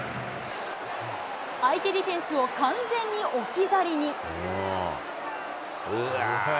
相手ディフェンスを完全に置き去りに。